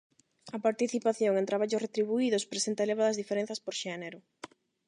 A participación en traballos retribuídos presenta elevadas diferenzas por xénero.